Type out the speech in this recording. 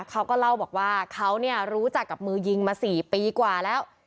เขาก็เล่าบอกว่าเขารู้จักกับมือยิงมา๔ปีกว่าแล้ว